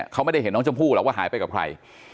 เขาไม่ได้เห็นน้องชมพู่หรอกว่าหายไปกับใคร